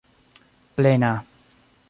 plena